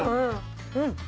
うん。